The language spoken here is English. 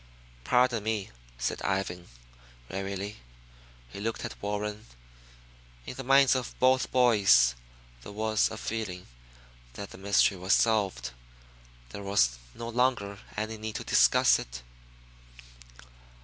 "Pardon me," said Ivan wearily. He looked at Warren. In the minds of both boys there was a feeling that the mystery was solved. There was no longer any need to discuss it.